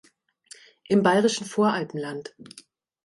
Im bayerischen Voralpenland.